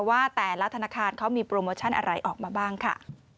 ว่าแต่ละธนาคารเขามีโปรโมชั่นอะไรออกมาบ้างค่ะ